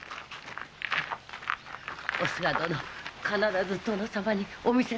おすが殿必ず殿様にお見せするのですよ。